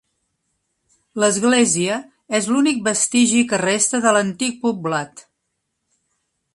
L'església és l'únic vestigi que resta de l'antic poblat.